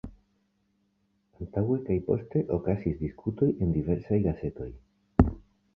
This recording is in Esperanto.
Antaŭe kaj poste okazis diskutoj en diversaj gazetoj.